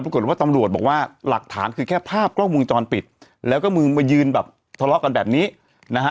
ปรากฏว่าตำรวจบอกว่าหลักฐานคือแค่ภาพกล้องวงจรปิดแล้วก็มือมายืนแบบทะเลาะกันแบบนี้นะฮะ